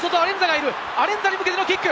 アレンザに向けてのキック！